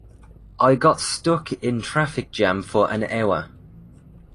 I got stuck in traffic jam for an hour.